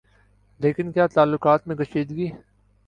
لیکن کیا تعلقات میں کشیدگی